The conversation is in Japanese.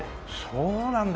そうなんだ。